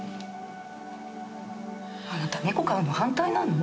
あなた猫飼うの反対なの？